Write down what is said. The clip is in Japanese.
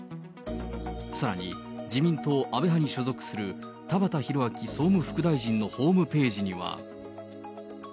さらに自民党安倍派に所属する田畑裕明総務副大臣のホームページには。